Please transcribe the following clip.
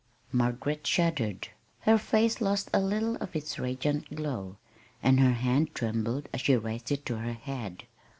Margaret shuddered. Her face lost a little of its radiant glow, and her hand trembled as she raised it to her head.